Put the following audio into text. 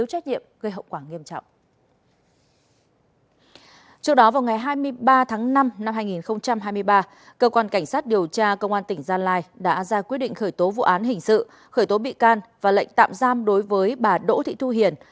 trước đó vào ngày hai mươi ba tháng năm năm hai nghìn hai mươi ba cơ quan cảnh sát điều tra công an tỉnh gia lai đã ra quyết định khởi tố vụ án hình sự khởi tố bị can và lệnh tạm giam đối với bà đỗ thị thu hiền